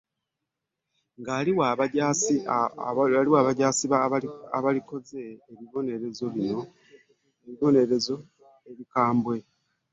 Nga liwa abajaasi baalyo ababeera bakoze ebikolwa bino ebibonerezo ebikambwe